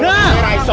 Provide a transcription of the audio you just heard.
kau tidak bisa